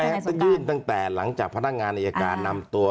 ไม่ต้องยื่นตั้งแต่หลังจากพนักงานนิยาการนำตัว